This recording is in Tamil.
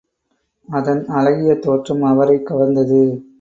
அதன் அழகிய தோற்றம் அவரைக் கவர்ந்தது.